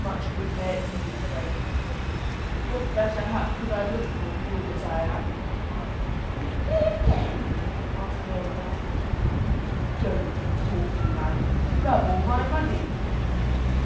"Much good may it do you, friend," said he. "What better hap could I look for, fool that I am!" "Will you play again?" asked the old man. "Don't be talking, man: you have all my money."